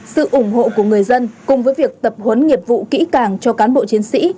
sự ủng hộ của người dân cùng với việc tập huấn nghiệp vụ kỹ càng cho cán bộ chiến sĩ